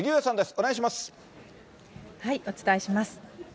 お伝えします。